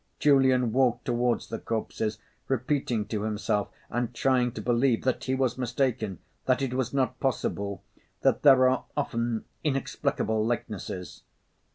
Julian walked toward the corpses, repeating to himself and trying to believe that he was mistaken, that it was not possible, that there are often inexplicable likenesses.